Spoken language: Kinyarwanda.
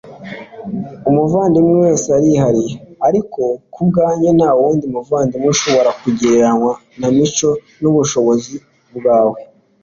umuvandimwe wese arihariye, ariko kubwanjye ntawundi muvandimwe ushobora kugereranywa na mico n'ubushobozi bwawe